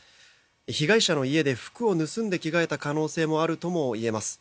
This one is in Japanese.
被害者の家で服を盗んで着替えた可能性もあるともいえます。